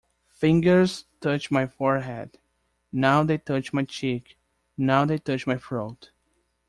Fingers touch my forehead — now they touch my cheek — now they touch my throat!